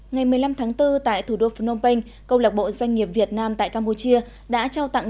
ngày một mươi năm tháng bốn tại thủ đô phnom penh công lạc bộ doanh nghiệp việt nam tại campuchia đã trao tặng